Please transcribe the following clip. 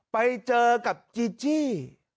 ไปเจอกับจีจี้